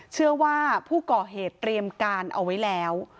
เชื่อว่าผู้ก่อเหตุเตรียมการเอาไว้แล้ว